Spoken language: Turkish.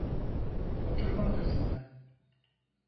Oturma odasında.